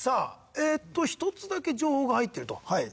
ええっと１つだけ情報が入っているとはい。